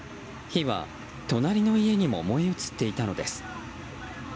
火は、隣の家にも燃え移っていたのです。